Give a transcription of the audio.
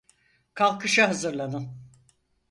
Kalkışa hazırlanın.